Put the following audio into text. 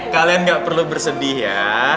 kalian gak perlu bersedih ya